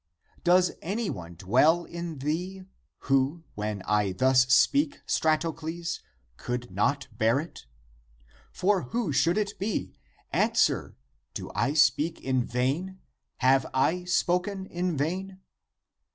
Does any one dwell in thee, who, when I thus speak, Stratocles, could not bear it ? For who should it be ? Answer ! Do I speak in vain ? Have I spoken in vain